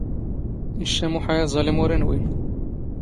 ⵉⵛⵛⴰ ⵎⵓⵃⴰ ⴰⵥⴰⵍⵉⵎ ⵓⵔ ⵉⵏⵡⵉⵏ.